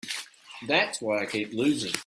That's why I keep losing.